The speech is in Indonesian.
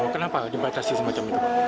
kenapa di batasi semacam itu